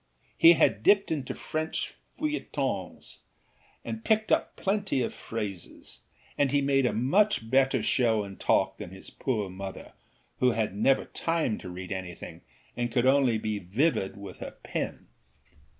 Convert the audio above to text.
He had dipped into French feuilletons and picked up plenty of phrases, and he made a much better show in talk than his poor mother, who never had time to read anything and could only be vivid with her pen.